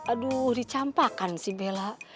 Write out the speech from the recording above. aduh dicampakan si bella